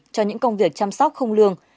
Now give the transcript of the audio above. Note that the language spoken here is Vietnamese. cho những công việc chăm sóc không lương